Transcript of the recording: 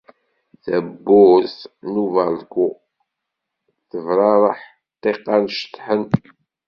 Tawwurt n ubalku tebrareḥ, ṭṭiqan ceṭṭḥen.